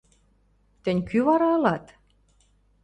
– Тӹнь кӱ вара ылат?